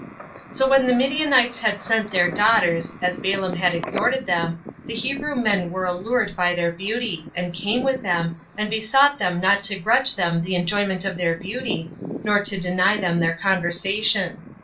7. So when the Midianites had sent their daughters, as Balaam had exhorted them, the Hebrew men were allured by their beauty, and came with them, and besought them not to grudge them the enjoyment of their beauty, nor to deny them their conversation.